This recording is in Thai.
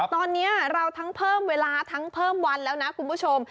ตอนนี้เราทั้งเพิ่มเวลาทั้งเพิ่มวันแล้วนะคุณผู้ชม